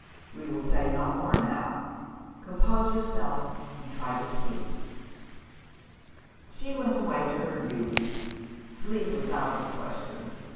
We will say no more now. Compose yourself, and try to sleep.' "She went away to her duties. Sleep was out of the question.